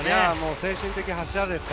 精神的柱です。